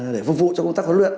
để phục vụ cho công tác huấn luyện